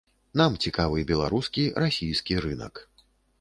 Нам цікавы беларускі, расійскі рынак.